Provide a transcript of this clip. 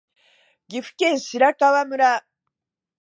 岐阜県白川村